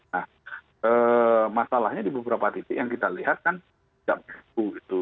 jadi masalahnya di beberapa titik yang kita lihat kan tidak begitu